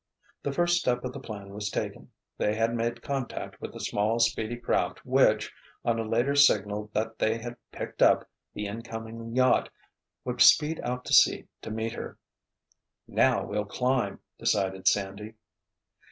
The first step of the plan was taken. They had made contact with the small, speedy craft which, on a later signal that they had "picked up" the incoming yacht, would speed out to sea to meet her. "Now we'll climb!" decided Sandy.